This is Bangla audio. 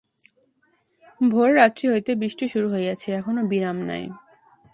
ভোররাত্রি হইতে বৃষ্টি শুরু হইয়াছে, এখনো বিরাম নাই।